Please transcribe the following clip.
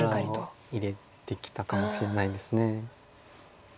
力を入れてきたかもしれないです。